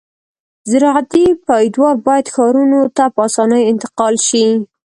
زراعتي پیداوار باید ښارونو ته په اسانۍ انتقال شي